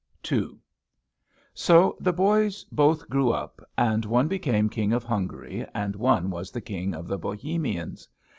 II. So the boys both grew up, and one became King of Hungary, and one was the King of the Bohemians.